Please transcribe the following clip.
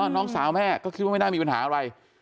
น้องสาวแม่ก็คิดว่าไม่น่ามีปัญหาอะไร